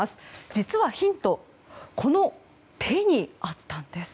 実はヒントは手にあったんです。